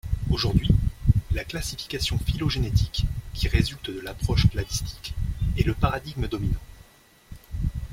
Aujourd'hui, la classification phylogénétique, qui résulte de l'approche cladistique, est le paradigme dominant.